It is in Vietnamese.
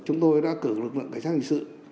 chúng tôi đã cử lực lượng cảnh sát hình sự